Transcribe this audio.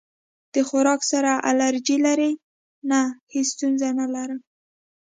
د خوراک سره الرجی لرئ؟ نه، هیڅ ستونزه نه لرم